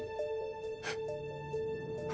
えっ？